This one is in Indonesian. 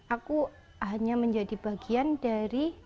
aku hanya menjadi bagian dari